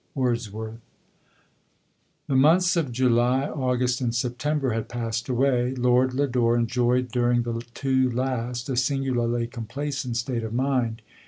WORDSWOBTH. The months of July, August, and September had passed away. Lord Lodore enjoyed, during the two last, a singularly complacent state of mind.